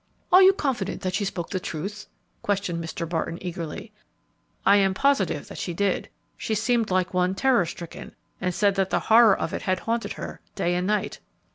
"Are you confident that she spoke the truth?" questioned Mr. Barton eagerly. "I am positive that she did; she seemed like one terror stricken, and said that the horror of it had haunted her day and night."